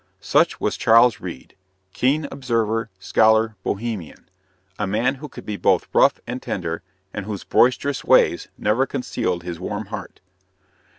Such was Charles Reade keen observer, scholar, Bohemian a man who could be both rough and tender, and whose boisterous ways never concealed his warm heart.